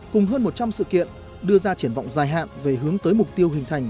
cùng hơn một trăm linh sự kiện đưa ra triển vọng dài hạn về hướng tới mục tiêu hình thành